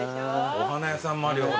お花屋さんもあるよほら。